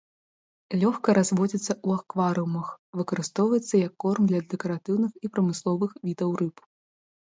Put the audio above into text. Лёгка разводзіцца ў акварыумах, выкарыстоўваецца як корм для дэкаратыўных і прамысловых відаў рыб.